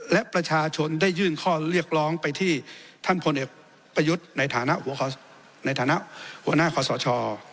และประชาชนได้ยื่นข้อเรียกร้องไปที่ท่านพลเอกประยุทธ์ในฐานะหัวหน้าคอสช